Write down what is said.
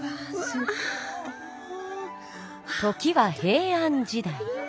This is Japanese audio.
時は平安時代。